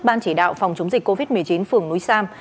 ban chỉ đạo phòng chống dịch covid một mươi chín phường núi sam